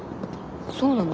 そうなの？